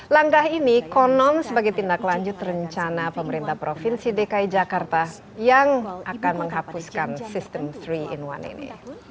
langkah ini konon sebagai tindak lanjut rencana pemerintah provinsi dki jakarta yang akan menghapuskan sistem tiga in satu ini